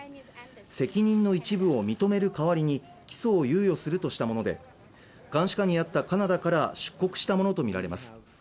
責任の一部を認める代わりに、起訴を猶予するとしたもので、監視下にあったカナダから出国したものとみられます。